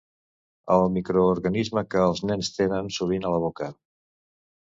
El microorganisme que els nens tenen sovint a la boca.